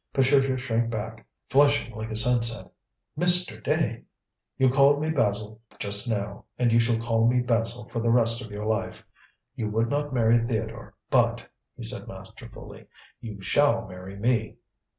Patricia shrank back flushing like a sunset. "Mr. Dane!" "You called me Basil just now, and you shall call me Basil for the rest of your life. You would not marry Theodore; but," he said masterfully, "you shall marry me."